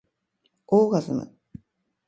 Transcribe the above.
オーガズム